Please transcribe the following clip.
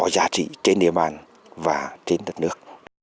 giá trị trên địa mạng và trên đất nước